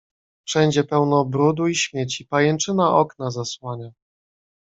"Wszędzie pełno brudu i śmieci, pajęczyna okna zasłania."